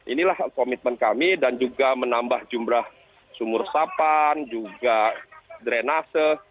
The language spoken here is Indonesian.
inilah komitmen kami dan juga menambah jumlah sumur sapan juga drenase